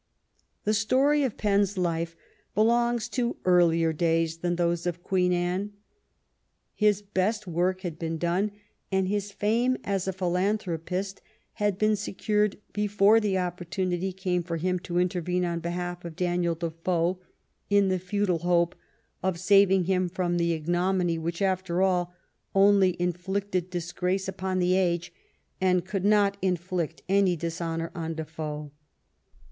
The story of Penn's life belongs to earlier days than those of Queen Anne. His best work had been done, and his fame as a philanthropist had been secured before the opportunity came for him to intervene on behalf of Daniel Defoe, in the futile hope of saving him from the ignominy which, after all, only inflicted disgrace upon the age, and could not inflict any dishonor on Defoe.